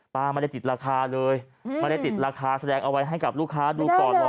ไม่ได้ติดราคาเลยไม่ได้ติดราคาแสดงเอาไว้ให้กับลูกค้าดูก่อนหรอก